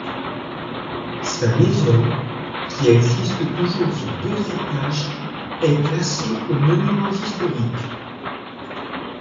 Sa maison qui existe toujours sur deux étages est classée aux monuments historiques.